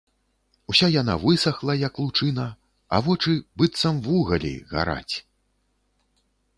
Уся яна высахла, як лучына, а вочы, быццам вугалі, гараць.